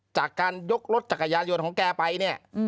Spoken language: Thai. จากการยกรถจักรยานยนต์ของแกไปเนี่ย